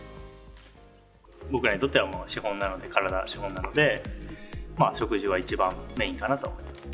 僕らにとっては、もう資本なので、体、資本なので、食事は一番メインかなと思います。